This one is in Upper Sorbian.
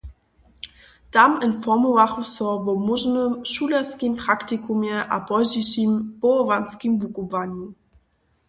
Tam informowachu so wo móžnym šulerskim praktikumje a pozdźišim powołanskim wukubłanju.